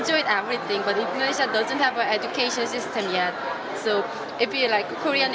jadi jika kita memiliki sistem pendidikan korea